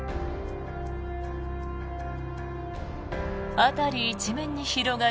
辺り一面に広がる